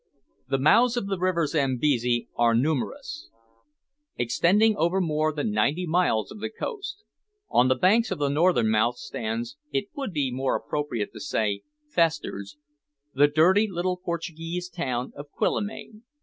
The mouths of the river Zambesi are numerous; extending over more than ninety miles of the coast. On the banks of the northern mouth stands it would be more appropriate to say festers the dirty little Portuguese town of Quillimane.